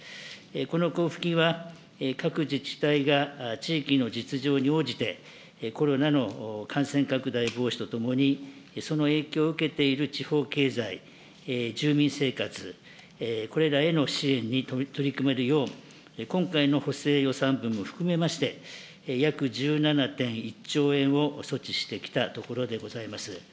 この交付金は、各自治体が地域の実情に応じて、コロナの感染拡大防止とともに、その影響を受けている地方経済、住民生活、これらへの支援に取り組めるよう、今回の補正予算分も含めまして、約１７．１兆円を措置してきたところでございます。